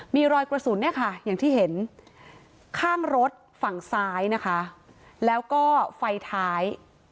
มีรอยกระสุนเนี่ยค่ะอย่างที่เห็นข้างรถฝั่งซ้ายนะคะแล้วก็ไฟท้าย